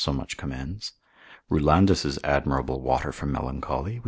so much commends; Rulandus' admirable water for melancholy, which cent.